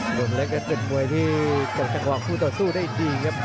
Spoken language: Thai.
หนุ่มเล็กนั้นเป็นมวยที่ตกจังหวะคู่ต่อสู้ได้ดีครับ